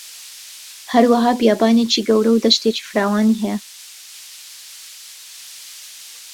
هەروەها بیابانێکی گەورە و دەشتێکی فران هەیە